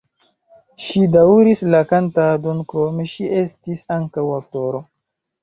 Ŝi daŭris la kantadon, krome ŝi estis ankaŭ aktoro.